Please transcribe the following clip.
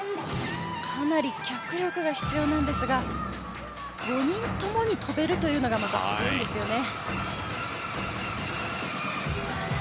かなり脚力が必要なんですが５人ともに跳べるというのがまた、すごいんですよね。